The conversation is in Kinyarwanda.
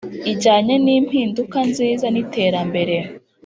Ijyanye n impinduka nziza n iterambere